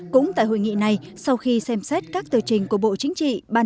cũng tại hội nghị này sau khi xem xét các tờ trình của bộ chính trị